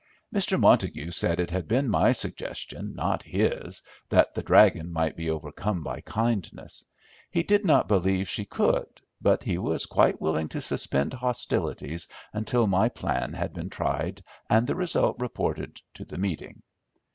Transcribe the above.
Mr. Montague said it had been my suggestion, not his, that the "dragon" might be overcome by kindness. He did not believe she could, but he was quite willing to suspend hostilities until my plan had been tried and the result reported to the meeting.